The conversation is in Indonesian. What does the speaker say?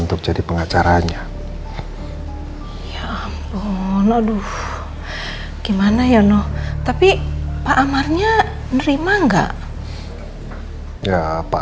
untung aja pak amarnya nolak